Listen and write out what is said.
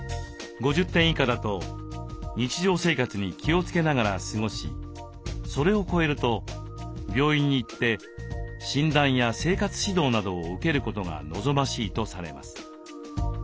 ５０点以下だと日常生活に気をつけながら過ごしそれを超えると病院に行って診断や生活指導などを受けることが望ましいとされます。